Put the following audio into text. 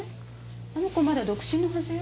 あの子まだ独身のはずよ？